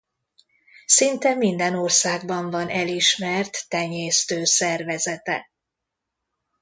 Szinte minden országban van elismert tenyésztő szervezete.